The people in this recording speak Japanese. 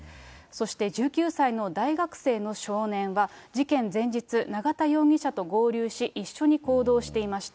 そして１９歳の大学生の少年は、事件前日、永田容疑者と合流し、一緒に行動していました。